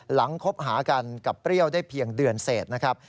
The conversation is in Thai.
คบหากันกับเปรี้ยวได้เพียงเดือนเศษนะครับ